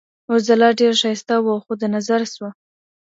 اورځلا ډېره ښایسته وه خو د نظره شوه.